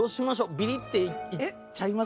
ビリッっていっちゃいます？